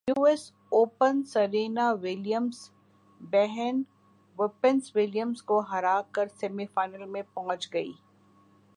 US open Serena Williams بہن Venus Williams کو ہرا کر سیمی فائنل میں پہنچ گئی